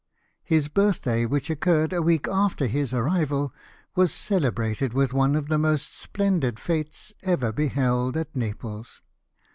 His birthday, which occurred a week after his arrival, was celebrated with one of the most splendid f^es ever beheld at Naples.